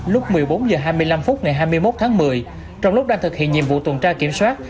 lúc một mươi bốn h hai mươi năm phút ngày hai mươi một tháng một mươi trong lúc đang thực hiện nhiệm vụ tuần tra kiểm soát